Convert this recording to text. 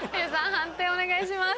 判定お願いします。